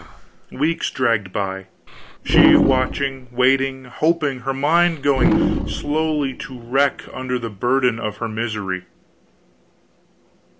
Weeks dragged by, she watching, waiting, hoping, her mind going slowly to wreck under the burden of her misery.